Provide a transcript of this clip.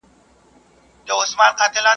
o د څيلې څه څه گيله؟